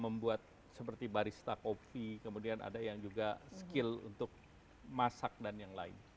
membuat seperti barista kopi kemudian ada yang juga skill untuk masak dan yang lain